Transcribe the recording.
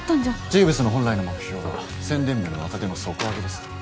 ジーヴズの本来の目標は宣伝部の若手の底上げです。